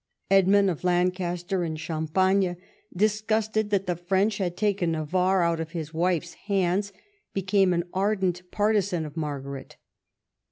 Edmund of Lancaster and Champagne, dis gusted that the French had taken Navarre out of his wife's hands, became an ardent partisan of Margaret.